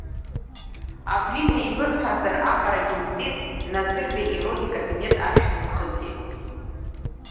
Абри неибырҳәазар аҟарагьы мҵит Назырбеи Ирод икабинет ашә дынхыҵит.